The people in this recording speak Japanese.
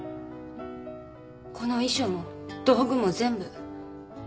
この遺書も道具も全部。